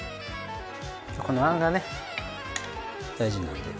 このあんがね大事なんで。